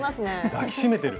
抱き締めてる。